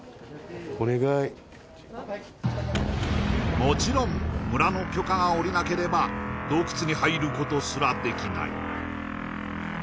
もちろん村の許可が下りなければ洞窟に入ることすらできない